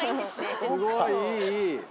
すごいいいいい。